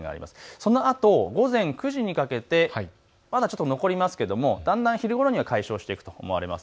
そのあと午前９時にかけて、まだちょっと残りますがだんだん昼ごろには解消していくと思います。